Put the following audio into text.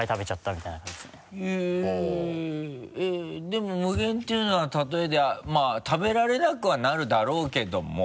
でも無限っていうのは例えでまぁ食べられなくはなるだろうけども。